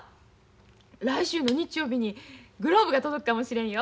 来週の日曜日にグローブが届くかもしれんよ。